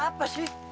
ada apa sih